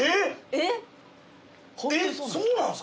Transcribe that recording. えっそうなんすか？